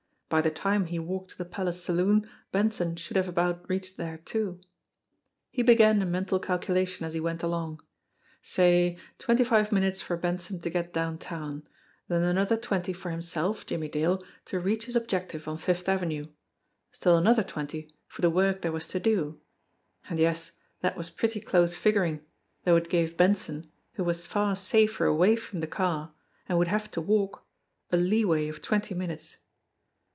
By the time he walked to the Palace Saloon, Benson should have about reached there too. He began a mental calculation as he went along. Say, twenty five minutes for Benson to get downtown, then an other twenty for himself, Jimmie Dale, to reach his objective on Fifth Avenue, still another twenty for the work there was to do, and, yes, that was pretty close figuring, though it gave Benson, who was far safer away from the car and would have to walk, a leeway of twenty minutes.